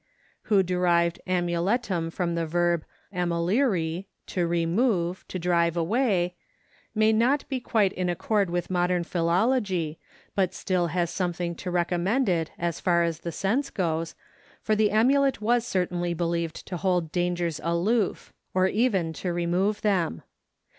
who derived amuletum from the verb amoliri, "to remove," "to drive away," may not be quite in accord with modern philology, but still has something to recommend it as far as the sense goes, for the amulet was certainly believed to hold dangers aloof, or even to remove them.